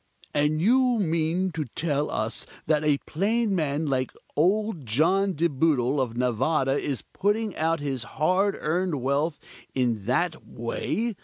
"And you mean to tell us that a plain man like old John De Boodle, of Nevada, is putting out his hard earned wealth in that way?"